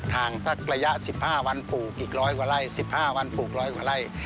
ทางสักระยะสิบห้าวันปลูกอีกร้อยกว่าไร่เสพห้าวันปลูกร้อยกว่าไร่